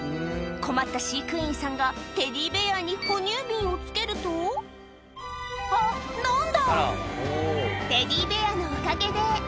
困った飼育員さんがテディベアに哺乳瓶をつけるとあぁ飲んだ！